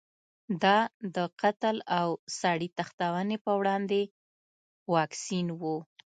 دا د قتل او سړي تښتونې په وړاندې واکسین و.